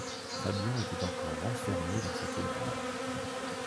Fabian était encore renfermé dans sa cabine.